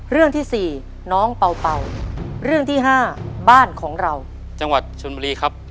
เรื่องที่สี่น้องเป่าเป่าเรื่องที่ห้าบ้านของเราจังหวัดชนบุรีครับ